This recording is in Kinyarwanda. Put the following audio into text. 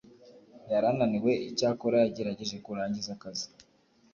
yari ananiwe. icyakora, yagerageje kurangiza akazi